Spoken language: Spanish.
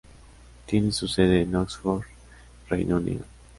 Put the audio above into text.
Tiene su sede en Oxford, Reino Unido.